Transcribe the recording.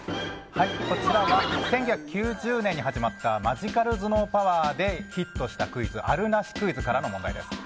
１９９０年に始まった「マジカル頭脳パワー！！」でヒットしたクイズあるなしクイズからの問題。